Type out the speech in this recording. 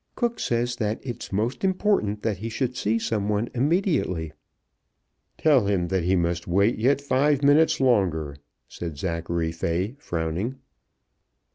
Cooke says that it's most important that he should see some one immediately." "Tell him that he must wait yet five minutes longer," said Zachary Fay, frowning.